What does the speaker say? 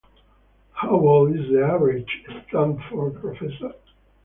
How old is the average Stanford Professor?